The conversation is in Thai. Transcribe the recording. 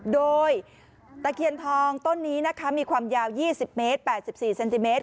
โดยตะเคียนทองต้นนี้นะคะมีความยาว๒๐เมตร๘๔เซนติเมตร